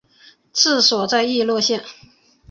治所在溢乐县。